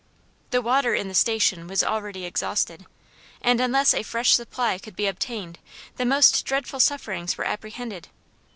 The water in the station was already exhausted, and unless a fresh supply could be obtained the most dreadful sufferings were apprehended.